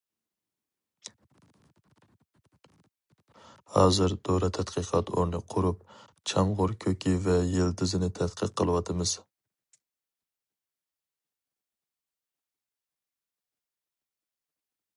ھازىر دورا تەتقىقات ئورنى قۇرۇپ، چامغۇر كۆكى ۋە يىلتىزىنى تەتقىق قىلىۋاتىمىز.